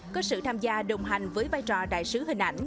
có sự tham gia đồng hành với vai trò đại sứ hình ảnh